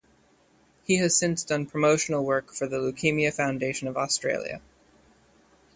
He has since done promotional work for the Leukaemia Foundation of Australia.